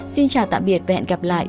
xin chào tạm biệt và hẹn gặp lại